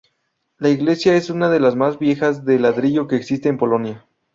La iglesia es una de las más viejas de ladrillo que existen en Polonia.